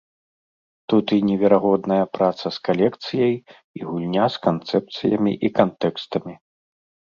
Тут і неверагодная праца з калекцыяй, і гульня з канцэпцыямі і кантэкстамі.